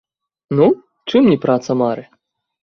Ну, чым не праца мары.